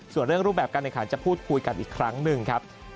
ส่วนเรื่องรูปแบบการแข่งขันจะพูดคุยกันอีกครั้งหนึ่งครับ